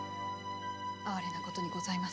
哀れなことにございます。